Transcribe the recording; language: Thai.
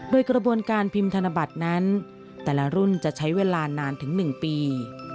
โดยกระบวนการพิมพ์ธนบัตรนั้นแต่ละรุ่นจะใช้เวลานานถึง๑ปี